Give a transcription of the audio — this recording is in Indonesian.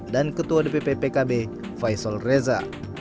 dan ketua dpp pkb faisal reza